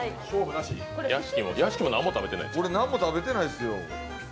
俺、何も食べてないですよ。